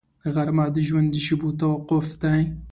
غرمه د ژوند د شېبو توقف دی